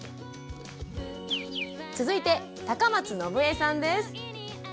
続いて高松伸枝さんです。